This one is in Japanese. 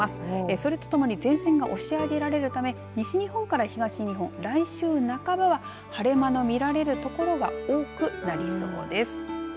それとともに前線が押し上げられるため西日本から東日本、来週半ばは晴れ間の見られるところが多くなりそうです。